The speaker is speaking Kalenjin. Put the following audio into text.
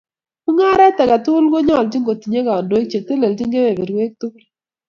Mung'aret age tugul konyoljin kotinye kandoik cheteleljin kebeberwek tugul